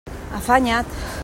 Afanya't!